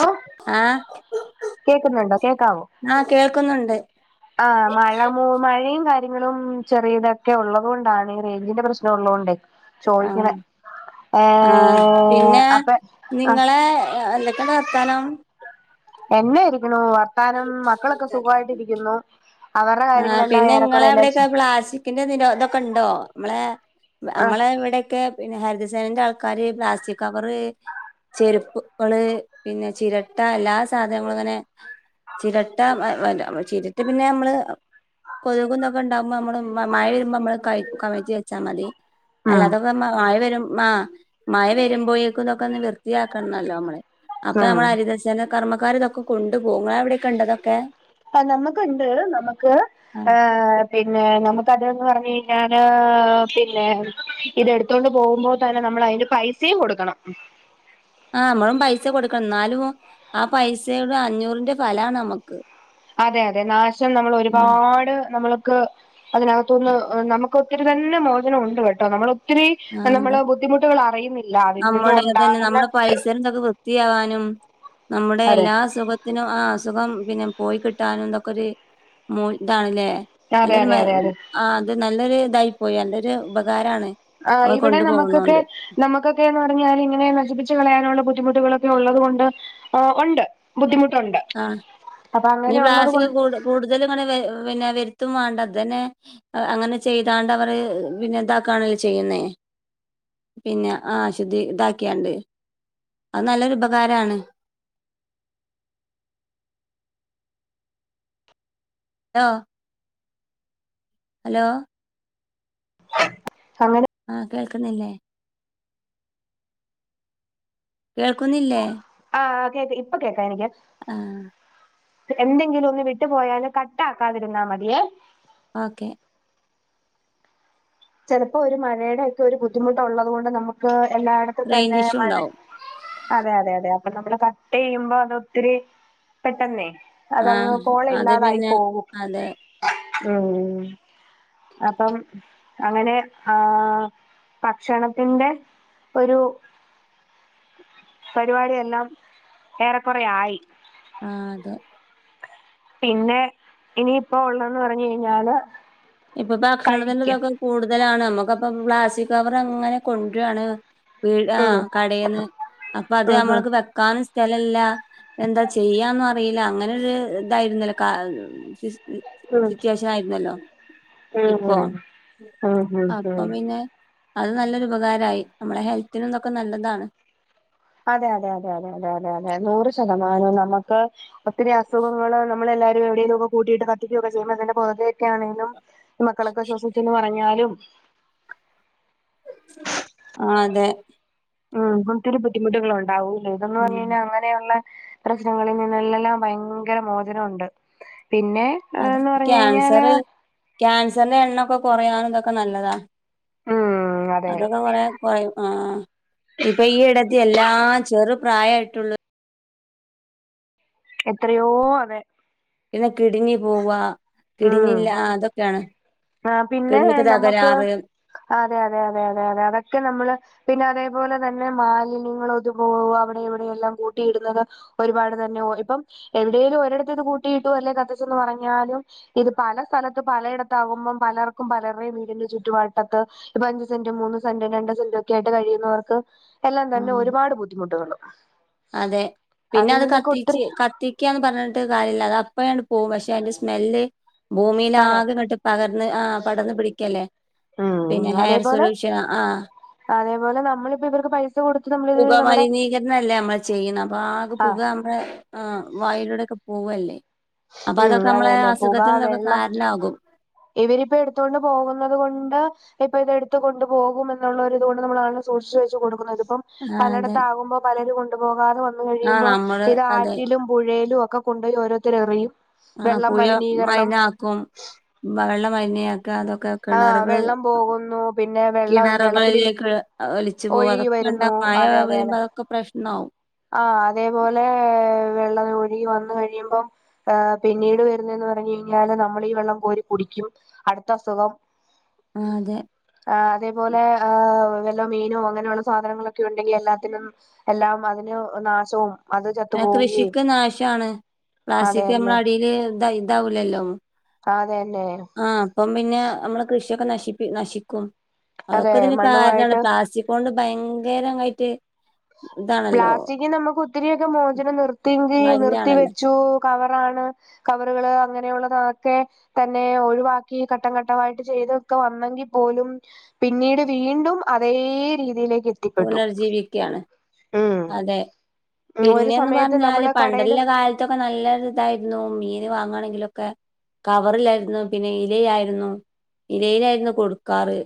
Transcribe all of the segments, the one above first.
ആഹ് ആഹ് കേക്കുന്നുണ്ടോ കേക്കാവോ ആഹ് കേൾക്കുന്നുണ്ട് ആഹ് മഴ മു മഴയും കാറ്റ് കാര്യങ്ങളും ചെറിയതൊക്കെ ഉള്ളതുകൊണ്ടാണ് ഈ റേഞ്ചിന്റെ പ്രശ്നം ഉള്ളത് കൊണ്ടേ ചോദിക്കണെ ആഹ് ആഹ് ഏഹ് പിന്നെ അപ്പൊ ആഹ് എന്താ വർത്താനം എന്നൊയിരിക്കണു വർത്താനം മക്കളൊക്കെ സുഖമായിട്ട് ഇരിക്ക്യുന്നു അവരുടെ ആഹ് കാര്യങ്ങളെല്ലാം പിന്നെ ഇങ്ങളെ ഏറെക്കുറെ എല്ലാം അവിടെക്കെ പ്ലാസ്റ്റിക്കിന്റെ നിരോ ഇതൊക്കെ ഇണ്ടോ ഇമ്മളെ ആഹ് നമ്മളെ ഇവിടെൊക്കെ പിന്നെ ഹരിതസേനന്റെ ആൾക്കാര് പ്ലാസ്റ്റിക് കവറ് ചെരുപ്പുകള് പിന്നെ ചിരട്ട എല്ലാ സാധനങ്ങളും അങ്ങനെ ചിരട്ട വാ വ ചിരട്ട പിന്നെ നമ്മള് കൊതുകും ഇതൊക്കെ ഇണ്ടകുമ്പോ നമ്മള് മഴ വരുമ്പോ നമ്മള് ക കവറ്റി വെച്ചാൽ മതി ഉം അല്ലാതെ ഇപ്പൊ മഴ വരും ആഹ് മഴ വരുമ്പോഴേക്കും ഇതൊക്കെ ഒന്ന് വൃത്തിയാക്കണല്ലോ നമ്മള് അപ്പൊ ഉം നമ്മളെ ഹരിതസേന കർമ്മക്കാര് ഇതൊക്കെ കൊണ്ട് പോവും ഇങ്ങളെ എവിടെ ഇണ്ടോ ഇതൊക്കെ ആഹ് നമ്മക് ഇണ്ട് നമുക്ക് ഏഹ് പിന്നെ നമുക്കതന്ന് പറഞ്ഞു കഴിഞ്ഞാല് പിന്നെ ഇത് എടുത്തോണ്ട് പോകുമ്പോൾ തന്നെ നമ്മള് അതിന്റെ പൈസയും കൊടുക്കണം ആഹ് നമ്മളും പൈസ കൊടുക്കണം എന്നാലും ആ പൈസയുടെ അഞ്ഞൂറിന്റെ ഫലാണ് നമ്മുക്ക് അതെ അതെ നാശം നമ്മള് ഒരുപാട് നമ്മൾക്ക് അതിനകത്തുന്ന് നമുക്ക് ഒത്തിരി തന്നെ മോചനം ഉണ്ട് കേട്ടോ നമ്മള് ഒത്തിരി അതെ നമ്മള് ബുദ്ധിമുട്ടുകൾ അറിയുന്നില്ല അതിൽ നിന്നും ഉണ്ടാകുന്ന ഇത്തരന്തൊക്കെ വൃത്തിയാവാനും നമ്മുടെ അതെ എല്ലാ സുഖ ത്തിനും, ആഹ് അസുഖം പിന്നെ പോയി കിട്ടാനും നഇതൊക്കെ ഒരു മോ ഇതാണല്ലേ അതെ നല്ലൊരു അതെ മ അതെ അതെ ആഹ് അത് നല്ലൊരു ഇതായി പോയി നല്ലൊരു ഉപകാരമാണ് ആഹ് ഇവിടെ നമുക്കൊക്കെ നമുക്കൊക്കെന്ന് പറഞ്ഞാല് ഇങ്ങനെ നശിപ്പിച്ച് കളയാനുള്ള ബുദ്ധിമുട്ടുകളൊക്കെ ഉള്ളത് കൊണ്ട് ഓഹ് ഉണ്ട് ബുദ്ധിമുട്ടുണ്ട് ആഹ് അപ്പൊ നീ അങ്ങനെ ഉള്ളത് പ്ലാസ്റ്റക് കൊണ്ട് കുട് കൂടുതലും ഇങ്ങനെ വര് പിന്നെ വരുത്തും വേണ്ട ഇതന്നെ അങ്ങനെ ചെയ്താണ്ട് അവര് പിന്നെ ഇതക്കാണോ ചെയ്യുന്നേ പിന്നെ ആഹ് അശുദ്ധി ഇതാക്കിയണ്ട് അത് നല്ലൊരു ഉപകാരമാണ് ലോ ഹലോ അങ്ങനെ ആഹ് കേൾക്കുന്നില്ലേ കേൾക്കുന്നില്ലേ ആഹ് കേട്ടി ഇപ്പൊ കേക്കാ എനിക്ക് ആഹ് എന്തെങ്കിലും ഒന്ന് വിട്ടു പോയാലും കട്ടക്കാതെ ഇരുന്ന മതിയേ ഓക്കെ ചിലപ്പോ ഒരു മഴയുടെ ഒക്കെ ഒരു ബുദ്ധിമുട്ടള്ളത് കൊണ്ട് നമുക്ക് എല്ലായിടത്തും റേഞ്ച് തന്നെ ഇഷ്യൂ മഴേ ഉണ്ടാവും അതെ അതെ അതെ അപ്പൊ നമ്മള് കട്ട് ചെയ്യുമ്പോ അത് ഒത്തിരി പെട്ടെന്നേ ആ അതങ്ങ് പോൾ അത് ഇല്ലാതായി പിന്നെ പോകും അതെ ഉം അപ്പം അങ്ങനെ ആഹ് ഭക്ഷണത്തിന്റെ ഒരു പരിപാടിയെല്ലാം ഏറെക്കുറെ ആയി ആതെ പിന്നെ ഇനിയിപ്പോ ഉള്ളതന്ന് പറഞ്ഞു കഴിഞ്ഞാല് ഇപ്പൊ ഭക്ഷണത്തിന്റെ കഴിക്കും ഇതൊക്കെ കൂടുതലാണ് നമ്മുക്കപ്പ പ്ലാസ്റ്റിക് കവർ അങ്ങനെ കൊണ്ടുവയാണ് വീട് ഉം ആഹ് കടയിൽന്ന് അപ്പൊ അത് ഉം നമ്മൾക്ക് വെക്കാനും സ്ഥലല്ല എന്താ ചെയ്യാന്നും അറിയില്ല. അങ്ങനെ ഒരു ഇതായിരുന്നല്ലോ കാ സിസ് ത് ഉം സിറ്റുവേഷൻ ആയിരുന്നല്ലോ ഉം ഉം ഇപ്പൊ. ഉം ഉം ഉം അപ്പ ഉം പിന്നെ അത് നല്ലൊരു ഉപകാരമായി. നമ്മളെ ഹെൽത്തിനും ഇതിനൊക്കെ നല്ലതാണ്. അതെ അതെ അതെ അതെ അതെ അതെ അതെ നൂറ് ശതമാനോം നമുക്ക് ഒത്തിരി അസുഖങ്ങള് നമ്മളെല്ലാരും എവിടെയെങ്കിലും ഒക്കെ കൂട്ടിയിട്ട് കത്തിക്കൊക്കെ ചെയ്യുമ്പേ അതിന്റെ പൊകയൊക്കെ ആണേലും മക്കളൊക്കെ ശ്വസിച്ചന്ന് പറഞ്ഞാലും ആഹ് അതെ ഉം ഒത്തിരി ബുദ്ധിമുട്ടുകളുണ്ടാവൂലോ. ഇതന്നന്ന് പറഞ്ഞ് ഉം കഴിഞ്ഞാ അങ്ങ നെയുള്ള പ്രശ്നങ്ങളിൽ നിന്നെല്ലാം ഭയങ്കര മോചനം ഉണ്ട്. പിന്നെ അത് ആന്ന് പറഞ്ഞ് കഴിഞ്ഞാല് ക്യാൻസർ ക്യാൻസറിന്റെ എണ്ണൊക്കെ കുറയാൻ ഇതൊക്കെ നല്ലതാ. ഉം അതെ അതൊക്കെ കൊറേ കുറയും. ആഹ് ഇപ്പൊ ഈ ഇടത്തീ എല്ലാ ചെറു പ്രായമായിട്ടുള്ള എത്രയോ അതെ. പിന്നെ കിഡ്നി പോവാ കിഡ്നി ഉം ഇല്ല. അതൊക്കെയാണ് ആ പിന്നെ കിഡ്‌നിക്ക് നമുക്ക് തകരാറ് അതെ അതെ അതെ അതെ അതെ അതൊക്കെ നമ്മള് പിന്നെ അതേപോലെ തന്നെ മാലിന്യങ്ങളതുപോ അവിടേം ഇവിടെയെല്ലാം കൂട്ടിയിടുന്നത് ഒരുപാട് തന്നെ ഓഹ് ഇപ്പം എവിടേലും ഒരിടത്ത് ഇത് കൂട്ടിയിട്ടു അല്ലെ കത്തിച്ചന്ന് പറഞ്ഞാലും ഇത് പല സ്ഥലത്ത് പലയിടത്താകുമ്പം പലർക്കും പലരുടെയും വീടിന്റെ ചുറ്റുവട്ടത്ത് ഇപ്പ അഞ്ചുസെന്റും മൂന്ന് സെന്റും രണ്ട് സെന്റും ഒക്കെ ആയിട്ട് കഴിയുന്നവർക്ക് എല്ലാം തന്നെ ആഹ് ഒരുപാട് ബുദ്ധിമുട്ടുകള് അതെ പിന്നെ അത് കത്തിച്ച് ക ത്തിക്കാന്ന് പറഞ്ഞിട്ട് കാര്യമില്ല. അത് അപ്പഴണ്ട് പോകും. പക്ഷെ അതിന്റെ സ്മ്മെല്ല് ഭൂമിയിൽ അതെ ആകെ ഇങ്ങട്ട് പകർന്ന് ആഹ് പടർന്ന് പിടിക്കല്ലേ. ഉം പിന്നെ ഹെയർ അതേപോലെ സൊലൂഷൻ ആഹ് അതേപോലെ നമ്മളിപ്പ ഇവർക്ക് പൈസ കൊടുത്ത് നമ്മളിതവരു നമ്മടെ ന്നല്ലേ നമ്മള് ചെയ്യണെ. അപ്പൊ ആകെ പുക നമ്മുടെ ആഹ് വായിലൂടൊക്കെ പോവല്ലേ. അപ്പൊ ഉം അതൊക്കെ അത് നമ്മളെ തന്നെ പുക അസുഖത്തിനതൊക്കെ വെള്ളം കാരണമാകും. ഇവരിപ്പോ എടുത്തോണ്ട് പോകുന്നത് കൊണ്ട് ഇപ്പൊ ഇത് എടുത്തു കൊണ്ട് പോകും എന്നുള്ളൊരിതുകൊണ്ട് നമ്മളതങ്ങ് സൂക്ഷിച്ചു വെച്ച് കൊടുക്കുന്നു. ഇത് ഇപ്പം ആഹ് അതെ പലയിടത്താകുമ്പോ പലരും കൊണ്ടുപോകാതെ വന്നു ആഹ് കഴിയുമ്പോ നമ്മള് ഇത് അതെ ആറ്റിലും പുഴയിലും ഒക്കെ കൊണ്ടുപോയി ഓരോരുത്തര് എറിയും ആഹ് വെള്ളം പുഴ മലിനീകരണം മലിന ആക്കും. വെള്ള മലിനാക്കാ. അതൊക്കെ ആഹ് കിണറുകള് വെള്ളം പോകുന്നു പിന്നെ വെള്ളം വെള്ളത്തിലിനി കിണറുകളിലേക്ക് ഒലിച്ചു പോകും. ഒഴുകി അതൊക്കെ വരുന്നു ഉണ്ടാവും. മഴ അതെ അതെ അതെ വരുമ്പേ അതൊക്കെ പ്രശ്നമാവും. ആഹ് അതേപോലെ വെള്ളം ഒഴുകി വന്നു കഴിയുമ്പോ ആഹ് പിന്നീട് വരുന്നേന്ന് പറഞ്ഞ് കഴിഞ്ഞാല് നമ്മള് ഈ വെള്ളം കോരി കുടിക്കും അടുത്ത അസുഖം ആഹ് അതെ ആഹ് അതേപോലെ ഏഹ് വല്ലോ മീനോ അങ്ങനെയുള്ള സാധനങ്ങളൊക്കെ ഉണ്ടെങ്കിൽ എല്ലാത്തിലും എല്ലാം അതിന് നാശവും അത് ഏഹ് ചത്തുപോവുകയും കൃഷിക്ക് നാശമാണ്. പ്ലാസ്റ്റിക് നമ്മളെ അതെന്നെ അടിയില് ഇത് ഇതാവൂല്ലല്ലോ. ആഹ് അത് തന്നെ. ആഹ് അപ്പം പിന്നെ നമ്മള് കൃഷിയൊക്കെ നശിപ്പി നശിക്കും. അതെ അതൊക്കെ ഇതിന് കാരണമാണ് മണ്ണുമായിട്ട് പ്ലാസ്റ്റി ക്കൊണ്ട് ഭയങ്കരങ്ങായിട്ട് പ്ലാസ്റ്റിക്കിന്ന് നമുക്ക് ഒത്തിരിയൊക്കെ മോചനം നിർത്തിയെങ്കി നിർത്തി മലിനാണല്ലോ വെച്ചു കവറാണ് കവറുകള് അങ്ങനെയുള്ളതൊക്കെ തന്നെ ഒഴിവാക്കി ഘട്ടംഘട്ടമായിട്ട് ചെയ്തൊക്കെ വന്നെങ്കിൽ പോലും പിന്നീട് വീണ്ടും അതേ രീതിയിലേക്കെ പുനർജ്ജീവിക്കയാണ്. അതെ ഒരു പിന്നേന്ന് സമയത്ത് പറഞ്ഞാല് നമ്മള് കടേല് പണ്ടെല്ല കാൽ ഇതൊക്ക നല്ലൊരിതായിരുന്നു മീന് വാങ്ങണെങ്കിലൊക്കെ കവറില്ലായിരുന്നു പിന്ന ഇലയായിരുന്നു ഇലയിലായിരുന്നു കൊടുക്കാറ്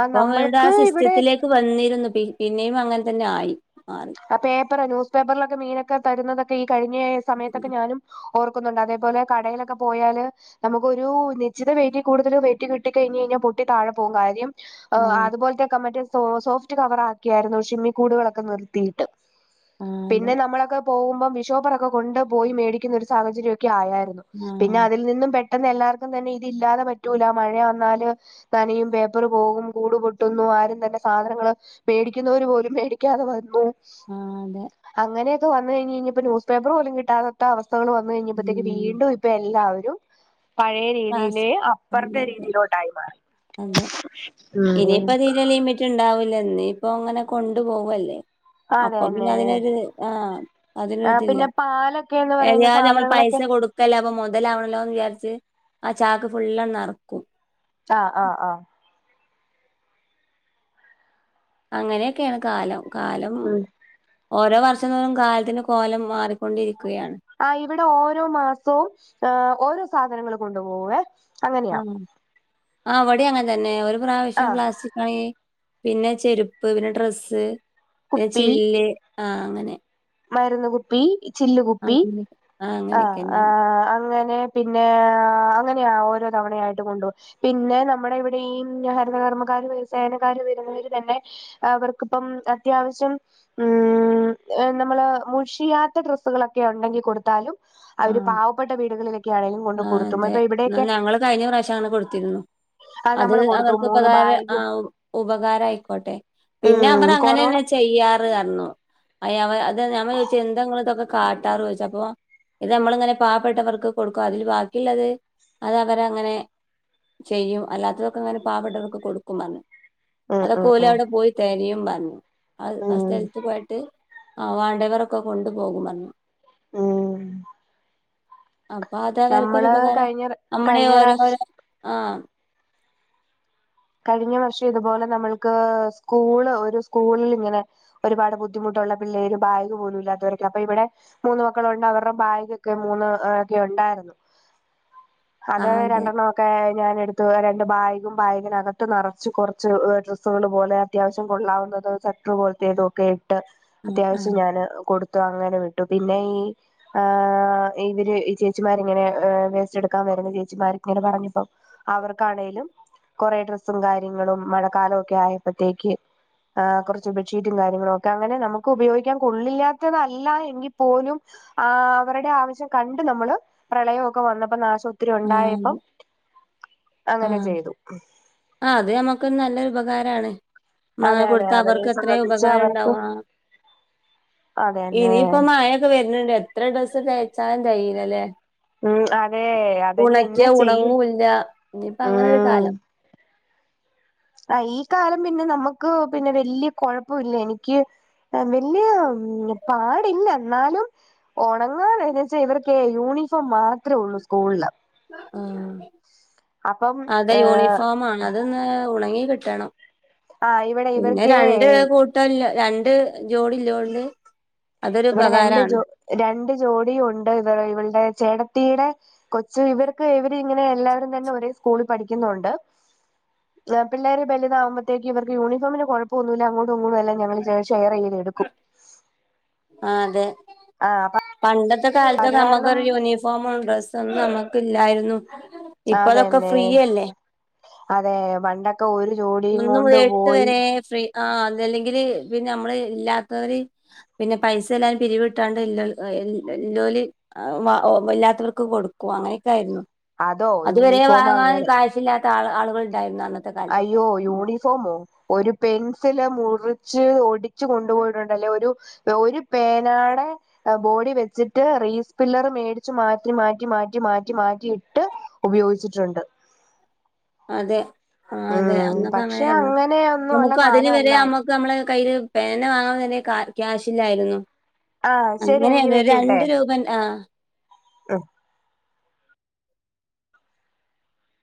ആഹ് നമ്മൾക്ക് ഇവിടെ അവരിടാസിസ്റ്റത്തിലേക്ക് വന്നിരുന്നു, പി പിന്നെയും അങ്ങന തന്നെ ആയി മാറി ആ പേപ്പറ് ന്യൂസ് പേപ്പറിലൊക്കെ മീനൊക്കെ തരുന്നതക്ക ഈ കഴിഞ്ഞ സമയത്തൊക്ക ഞാനും ഓർക്കുന്നുണ്ടതേപോലെ കടയിലൊക്കെ പോയാല് നമുക്കൊരു നിശ്ചത വെയിറ്റീ കൂടുതൽ വെയ്റ്റ് കിട്ടി കഴിഞ്ഞ് കഴിഞ്ഞ പൊട്ടി താഴെ പോവും കാര്യം ആ അതെ അതുപോലെത്തേക്കെ മറ്റേ സോ സോഫ്റ്റ് കവറാക്കിയായിരുന്നു, ഷെമ്മീ കൂടുകളൊക്കെ നിർത്തി. അതെ പിന്നെ നമ്മളൊക്കെ പോവുമ്പം ബിഷോപ്പറൊക്കെ കൊണ്ട് പോയി മേടിക്കുന്നൊരു സാഹചര്യോക്കായായിരുന്നു. ആഹ് പിന്നതിൽ നിന്നും പെട്ടെന്ന് എല്ലാർക്കും തന്നെ ഇതില്ലാതെ പറ്റൂല മഴ വന്നാല് നനയും പേപ്പറ് പോകും കൂടു പൊട്ടുന്നു ആരും തന്നെ സാധനങ്ങള് പേടിക്കുന്നവര് പോലും മേടിക്കാതെ വന്നു ആഹ് അതെ അങ്ങനെയൊക്കാ വന്ന് കഴിഞ്ഞഴിഞ്ഞപ്പോ ന്യൂസ്പേപ്പറ് പോലും കിട്ടാത്ത അവസ്ഥകള് വന്ന്കഴിഞ്ഞപ്പഴത്തേക്ക് ഉം വീണ്ടു ഇപ്പ് ഇപ്പെല്ലാവരും പഴയ ക്ലാസ് രീതിയിലെ അപ്പറത്തെ അതെ രീതിയിലോട്ടായി മാറി. അതെ ഉം ഇനിയിപ്പ തീരെ ലിമിറ്റെ ണ്ടാവില്ല ഇനിയിപ്പങ്ങന കൊണ്ടു പോവല്ലേ. അപ്പൊ പിന്നെ അതന്നെ അതിനൊരു ആഹ് ആ അതിനൊരിതില്ല പിന്നെ പാലൊക്കെന്ന് പറയുന്ന എന്നാലും ഞമ്മൾ പൈസ സാധനങ്ങളൊക്കെ കൊടുക്ക് അല്ല അപ്പ മുതലാവണല്ലോന്ന് വിചാരിച്ച് ആ ചാക്ക് ഫുള്ളങ്ങ് നറക്കും. ആഹ് ആഹ് ആഹ് അങ്ങനെയെക്കേണ് കാലം കാലം. ഉം ഓരോ വർഷതോറും കാലത്തിന് കോലം മാറിക്കൊണ്ടിരിക്കുകയാണ്. ആ ഇവിടെ ഓരോ മാസവും ഏഹ് ഓരോ സാധനങ്ങള് കൊണ്ടു പോകുവേ. അഹ് അവിടേഅങ്ങന തന്നെ ഒരു ആ പ്രാവശ്യം പ്ലാസ്റ്റിക് ആണെങ്കി പിന്നെ ചെരുപ്പ് പിന്ന ഡ്രസ്സ് പിന്ന കുപ്പി ചില്ല് ആഹ് അങ്ങനെ മരുന്ന് കുപ്പി ചില്ലുകുപ്പി അങ്ങനെ. ആഹ് അഹ് അങ്ങനെയൊക്കെന്നെയാണ്. അഹ് അങ്ങനേ പ് പിന്നേ അങ്ങനെയാ ഓരോ തവണയായിട്ട് കൊണ്ടുപോ പിന്നെ നമ്മുടിവിട ഈ ഹരതകർമ്മക്കാര് വ്യസേനക്കാര് വരുന്നവര് തന്നെ അവർക്കിപ്പം അത്യാവശ്യം ഉം [unintelligible] നമ്മള് മുഷിയാത്ത ഡ്രസ്സുകളൊക്കെ ഒണ്ടെങ്കിൽ കൊടുത്താലും അവര് ആഹ്. പാവപ്പെട്ട വീടുകളിലെക്ക് ആഹ് അതേ ഞങ്ങള് കഴിഞ്ഞ പ്രാവശ്യം അങ്ങന കൊടുത്തിരുന്നു. അത് നമ്മള് കൊടുത്തു മൂന്ന് അവർക്കുപകാര ബാഗും അഹ് ഉപകാരയിക്കോട്ടെ. പിന്നെ അവർ ഉം കൊറോണ അങ്ങനെന്നെ ചെയ്യാറ് അന്നും അയ അവർ അതേ ഞമ്മൾ ചോദിച്ച് എന്താനിങ്ങളിതൊക്കെ കാട്ടാറ് ചോദിച്ചപ്പൊ ഇത് നമ്മളിങ്ങനെ പാവപ്പെട്ടവർക്ക് കൊടുക്കും അതിൽ ബാക്കിയുള്ളത് അത് അവരങ്ങനെ ചെയ്യും അല്ലാത്തതൊക്കിങ്ങനെ പാവപ്പെട്ടോർക്കു കൊടുക്കും പറഞ്ഞ്. ഉം അതൊക്കെ ഉം ഉം ഓലവിടെ പോയി തെരയും പറഞ്ഞ് ആ ആ ഉം സ്ഥലത്ത് പോയാട്ട് ആ വാണ്ടിയവരൊക്ക കൊണ്ടു പോകും പറഞ്ഞു. ഉം അപ്പ അതാണവർക്കൊരു നമ്മള് ഉപകാരം കഴിഞ്ഞ നമ്മുടെ ഈ കഴിഞ്ഞ പ്രാവശ്യം ഓരോരോ ആഹ് കഴിഞ്ഞ വർഷം ഇതുപോലെ നമ്മൾക്ക് സ്കൂള് ഒരു സ്കൂളിലിങ്ങനെ ഒരുപാട് ബുദ്ധിമുട്ടൊള്ള പിള്ളേര് ബാഗ് പോലും ഇല്ലാത്തോരൊക്കെ അപ്പ യിവടെ മൂന്ന് മക്കളുണ്ട് അവരുടെ ബാഗൊക്കെ മൂന്ന് ഒക്കെ ഒണ്ടായിർന്ന്. അത് ആഹ് അതെ രണ്ടെണ്ണം ഒക്കെ ഞാനെടുത്തു രണ്ടു ബാഗും ബാഗിനകത് ത്ത് നെറച്ച് കൊറച്ച് ഡ്രസ്സുകളുപോലെ അത്യാവശ്യം കൊള്ളാവുന്നതും സെട്രു പോലത്തേതും ഒക്കെ ഇട്ട് ആഹ് അത്യാവിശ്യം ആഹ് ഞാന് കൊടുത്തു അങ്ങനെ വിട്ടു പിന്നെ ഈ ആ ഇവര് ഈ ചേച്ചിമാരിങ്ങനെ വേസ്റ്റ് എടുക്കാൻ വരുന്ന ചേച്ചിമാരിങ്ങനെ പറഞ്ഞപ്പോ അവർക്കാണേലും കൊറെേ ഡ്രസ്സും കാര്യങ്ങളും മഴക്കാലൊവൊക്കെ ആയപ്പത്തേയ്ക്ക് ആഹ് കൊറച്ച് ബെഡ്ഷീറ്റും കാര്യങ്ങളൊക്കെ അങ്ങനെ നമുക്ക് ഉപയോഗിക്കാൻ കൊള്ളില്ലാത്തതല്ല എങ്കിൽ പോലും ആഹ് അവര്ടെ ആവിശ്യം കണ്ട് നമ്മള് പ്രളയം ഒക്കെ വന്നപ്പം നാശം ഒത്തിരി ആഹ് ഒണ്ടായപ്പം അതെ ആഹ് അത് നമ്മുക്കും നല്ലൊരു ഉപകാരാണ്. മ് അതെ അതെ കൊടുത്താ അവരെ അവർക്ക് എത്രേ സംബന്ധിച്ച് അവർക്ക് ഉപകാരണ്ടാവു ആഹ് അതെന്നെ ഇനിയിപ്പം മഴൊക്കെ വര്ന്ണ്ട് എത്ര ഡ്രസ്സ് തെയ്ച്ചാലും തെയ്യീലലേ ഉം അതെ അതിനി ഉണക്കിയ എന്നെ ചെയ്യും ഉണങ്ങൂല്ല ഇനിയിപ്പം അങ്ങനൊരു കാലം ആഹ് ഈ കാലം പിന്നെ നമ്മക്ക് പിന്നെ വല്യ കൊഴപ്പുല്ല എനിക്ക് ആ വല്യാ പാടില്ല എന്നാലും ഒണങ്ങാൻ എന്ന് വെച്ചേ ഇവർക്ക് യൂണിഫോം മാത്രേ ഒള്ളൂ സ്കൂള്ല് ആഹ് അതെ ഏഹ് യൂണിഫോമാണ് അതൊന്ന് ഒണങ്ങി കിട്ടണം ആ ഇവിടെ പിന്നെ ഇവർക്ക് രണ്ട് കൂട്ടല്ല രണ്ട് ജോഡി ഇല്ലോണ്ട് ഇവടെ രണ്ട് ജൊ രണ്ട് ജോഡിയുണ്ട്. ഇവള് ഇവള്ടെ ചേട്ടത്തീടെ കൊച്ച് ഇവർക്ക് ഇവര് ഇങ്ങനെ എല്ലാരും തന്നെ ഒരേ സ്കൂള്ല് പഠിക്കുന്നോണ്ട് പിള്ളേര് ബല്താകുമ്പഴത്തേക്ക് ഇവര്ക്ക് യൂണഫോമിന് കൊഴപ്പൊന്നുല്ല അങ്ങോട്ടും ഇങ്ങോട്ടും എല്ലാം ഞങ്ങള് ഷെയറ്യ്തെടുക്കും ആഹ് അതെ ആഹ് പ പണ്ടത്തെ കാലത്തൊക്കെ നമുക്കൊരു യൂണിഫോമും, ഡ്രസ്സൊന്നും, നമ്മക്ക് ഇല്ലായിരുന്നു ഇപ്പ അതൊക്കെ അതന്നെ ഫ്രീയല്ലേ അതെ പണ്ടൊക്കെ ഒരു ജോഡിയും ഒന്ന് കൊണ്ട് മുതൽ എട്ട് പോയി വരെ ഫ്രീ ആഹ് അതെല്ലെങ്കില് പിന്നെ നമ്മള് ഇല്ലാത്തവര് പിന്നെ പൈസ എല്ലാരും പിരിവിട്ടാണ്ട് ല്ല ഇല്ല ഇല്ലോല് എഹ് വ ഇല്ലാത്തവർക്ക് കൊടുക്കും അങ്ങനെയൊക്കെ ആയിരുന്നു. അതോ അത് വരെ യൂണിഫോം വാങ്ങാന് അങ്ങനെ കാശ് ഇല്ലാ ത്ത ആള് ആളുകള് ഇണ്ടായിരുന്നു അന്നത്തെ കാലത്തൊക്കെ പ്പൊ യൂണിഫോമോ ഒരു പെൻസില് മുറിച്ച് ഒടി ച്ച് കൊണ്ടുപോയിട്ടുണ്ട് ല്ലേ ഒരു ഒരു പേനാടെ ബോഡി വെച്ചിട്ട് റീസ്പില്ലറ് മേടിച്ചു മാറ്റി മാറ്റി മാറ്റി മാറ്റി മാറ്റിയിട്ട് ഉപയോഗിച്ച്ട്ടുണ്ട് അതെ ആ അതെ ഉം അന്നൊക്കെ പക്ഷെ അങ്ങനാരുന്നു അങ്ങനെ ഒന്നും ഉള്ള നമുക്ക് അതിന് വരെ കാലമല്ല നമ്മക്ക് നമ്മളെ കയ്യില് പേന വാങ്ങാം തന്നെ ക്യാഷ് ഇല്ലായിരുന്നു ആ ശരി അങ്ങനെയാണ് ഒര് രണ്ട് രൂപ ആഹ് ഉം